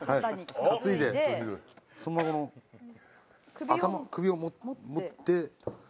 担いでそのまま首を持って。